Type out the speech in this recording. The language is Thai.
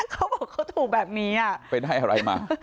เขาบอกเขาถูกแบบนี้อ่ะ